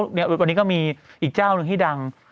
วันนี้ก็มีอีกเจ้าหนึ่งที่ดัง